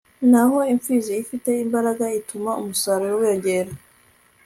naho imfizi ifite imbaraga ituma umusaruro wiyongera